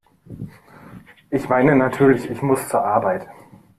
Ich meine natürlich, ich muss zur Arbeit!